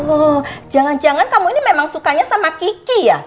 wuh jangan jangan kamu ini memang sukanya sama kiki ya